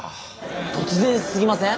突然すぎません？